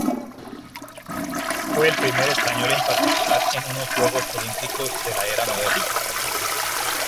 Fue el primer español en participar en unos Juegos Olímpicos de la era moderna.